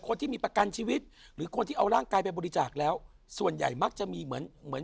คนที่มีประกันชีวิตหรือคนที่เอาร่างกายไปบริจาคแล้วส่วนใหญ่มักจะมีเหมือนเหมือน